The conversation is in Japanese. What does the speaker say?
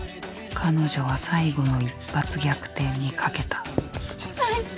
彼女は最後の一発逆転に賭けた大輔。